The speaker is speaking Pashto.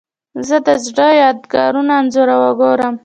زه د زړو یادګارونو انځورونه ګورم.